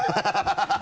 ハハハ